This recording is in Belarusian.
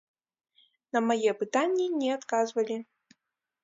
На мае пытанні не адказвалі.